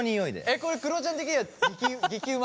これくろちゃん的には激うま？